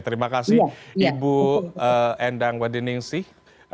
terima kasih ibu endang wadining sih